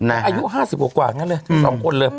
อายุ๕๐บอกกว่างั้นเลยถึงสองคนเลย